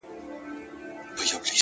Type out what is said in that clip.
پوهېږې په جنت کي به همداسي ليونی یم؛